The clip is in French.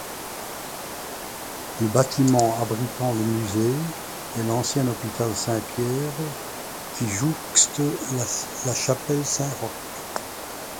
Le bâtiment abritant le musée est l'ancien hôpital Saint-Pierre, qui jouxte la chapelle Saint-Roch.